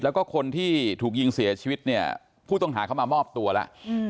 แล้วก็คนที่ถูกยิงเสียชีวิตเนี่ยผู้ต้องหาเขามามอบตัวแล้ว